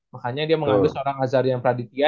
makanya dia mengambil seorang azarian praditya